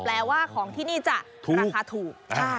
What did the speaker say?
แปลว่าของที่นี่จะราคาถูก